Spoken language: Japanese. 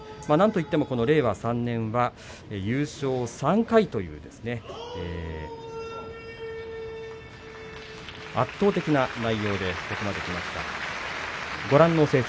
令和３年は優勝３回という圧倒的な内容でここまできました。